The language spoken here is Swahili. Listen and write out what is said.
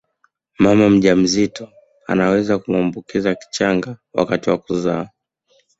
Mama mjamzito anaweza kumwambukiza kichanga wakati wa kuzaa